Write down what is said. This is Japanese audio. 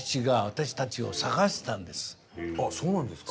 あそうなんですか。